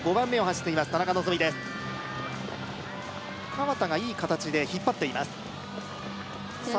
川田がいい形で引っ張っていますさあ